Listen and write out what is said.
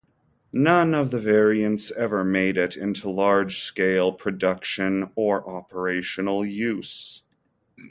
None of the variants ever made it into large-scale production or operational use.